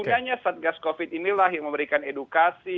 setidaknya satgas covid inilah yang memberikan edukasi